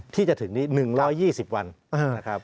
ที่จะถึงนี้๑๒๐วันนะครับ